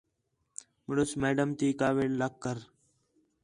مُݨس میڈم تی کاوِڑ لَکھ کر